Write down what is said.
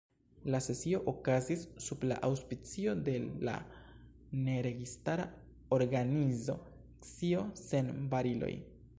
La sesio okazis sub la aŭspicio de la Ne Registara Organizo Scio Sen Bariloj.